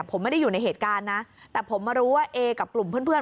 ผมไม่ได้อยู่ในเหตุการณ์นะแต่ผมมารู้ว่าเอกับกลุ่มเพื่อน